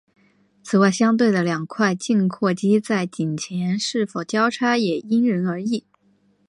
此外相对的两块颈阔肌在颈前是否交叉也因人而异。